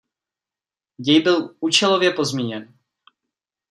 Děj byl účelově pozměněn.